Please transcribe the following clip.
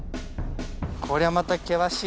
こりゃまた険しい。